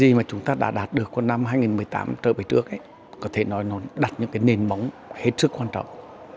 cái gì mà chúng ta đã đạt được của năm hai nghìn một mươi tám trở về trước ấy có thể nói là đặt những cái nền bóng hết sức quan trọng